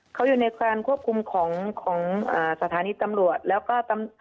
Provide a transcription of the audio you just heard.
เข้าอยู่ในการควบคุมสถานีจำรวจแล้วก็